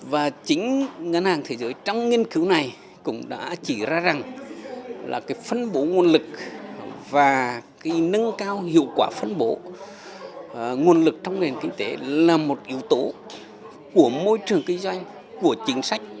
và chính ngân hàng thế giới trong nghiên cứu này cũng đã chỉ ra rằng là cái phân bố nguồn lực và nâng cao hiệu quả phân bổ nguồn lực trong nền kinh tế là một yếu tố của môi trường kinh doanh của chính sách